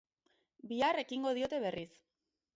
Bihar ekingo diote berriz.